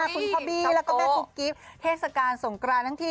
คุณพบีแล้วก็แม่ปุ๊กกิฟต์เทศกาลสงกราศนั่งที่